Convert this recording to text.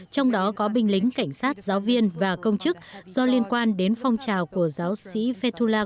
trong đó có binh lính cảnh sát giáo viên và công chức do liên quan đến phong trào của giáo sĩ fedula